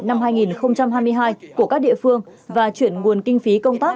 năm hai nghìn hai mươi hai của các địa phương và chuyển nguồn kinh phí công tác